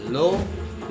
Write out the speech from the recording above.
ya itu dia